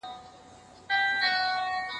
زه به د يادښتونه بشپړ کړي وي!